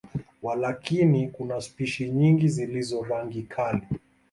Walakini, kuna spishi nyingi zilizo rangi kali.